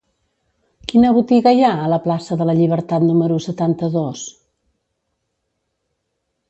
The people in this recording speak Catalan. Quina botiga hi ha a la plaça de la Llibertat número setanta-dos?